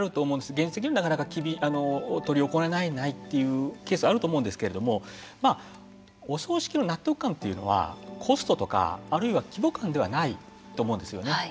現実的にはなかなか執り行えないというケースはあると思うんですけれどもお葬式の納得感というのはコストとかあるいは規模感ではないと思うんですよね。